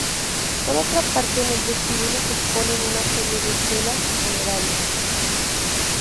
Por otra parte, en el vestíbulo se exponen una serie de estelas funerarias.